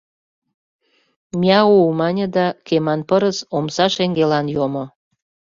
Мяу! — мане да Кеман пырыс омса шеҥгелан йомо.